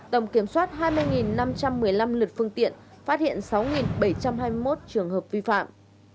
tổng kiểm soát hai mươi năm trăm một mươi năm lượt phương tiện phát hiện sáu bảy trăm hai mươi một trường hợp vi phạm